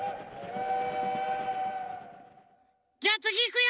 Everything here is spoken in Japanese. じゃあつぎいくよ！